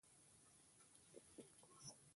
د فراه په بالابلوک کې څه شی شته؟